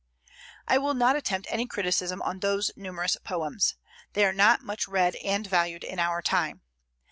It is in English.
I will not attempt any criticism on those numerous poems. They are not much read and valued in our time.